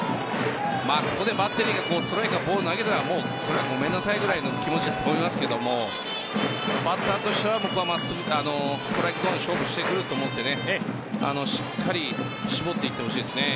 ここでバッテリーがストライクかボールを投げたらごめんなさいくらいの気持ちですけどバッターとしては僕は真っすぐかストライクゾーンで勝負してくると思うのでしっかり絞っていってほしいですね。